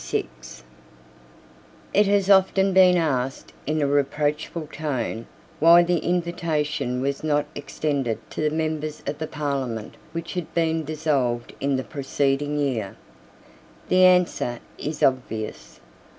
It has often been asked, in a reproachful tone, why the invitation was not extended to the members of the Parliament which had been dissolved in the preceding year. The answer is obvious.